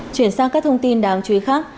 chuyển sang các thông tin đáng chú ý khác